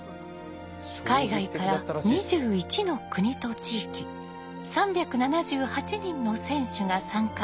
海外から２１の国と地域３７８人の選手が参加。